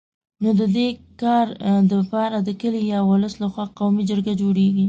نو د دي کار دپاره د کلي یا ولس له خوا قومي جرګه جوړېږي